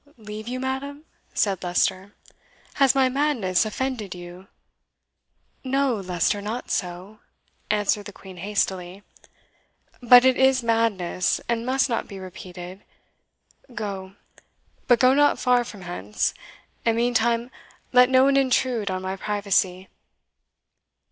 leave you, madam?" said Leicester, "has my madness offended you?" "No, Leicester, not so!" answered the Queen hastily; "but it is madness, and must not be repeated. Go but go not far from hence; and meantime let no one intrude on my privacy."